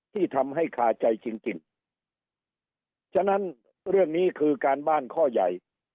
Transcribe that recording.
ที่ทำให้คาใจจริงจริงฉะนั้นเรื่องนี้คือการบ้านข้อใหญ่